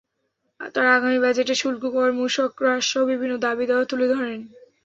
তাঁরা আগামী বাজেটে শুল্ক, কর, মূসক হ্রাসসহ বিভিন্ন দাবি-দাওয়া তুলে ধরেন।